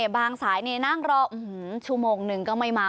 บางสายนั่งรอชั่วโมงหนึ่งก็ไม่มา